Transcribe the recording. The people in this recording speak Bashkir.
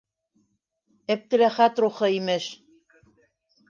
Әптеләхәт рухы, имеш!